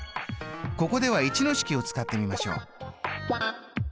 ここでは１の式を使ってみましょう。